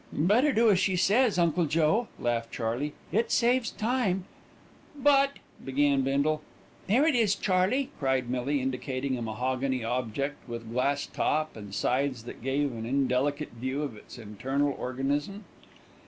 "Better do as she says, Uncle Joe," laughed Charley. "It saves time." "But " began Bindle. "There it is, Charley," cried Millie, indicating a mahogany object, with glass top and sides that gave an indelicate view of its internal organism.